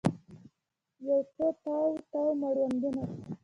یوڅو تاو، تاو مړوندونه